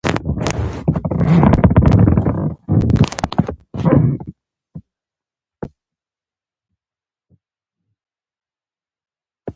تل به یې خندل ، د خلکو سره یې ښه کول.